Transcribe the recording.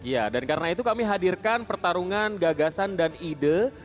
ya dan karena itu kami hadirkan pertarungan gagasan dan ide